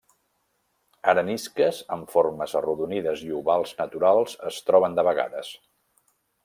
Arenisques amb formes arrodonides i ovals naturals es troben de vegades.